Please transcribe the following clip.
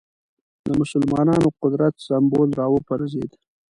د مسلمانانو قدرت سېمبول راوپرځېد